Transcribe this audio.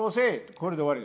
これで終わり。